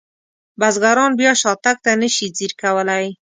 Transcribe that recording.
بزګران بیا شاتګ ته نشي ځیر کولی.